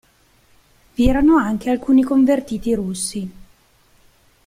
Vi erano anche alcuni convertiti russi.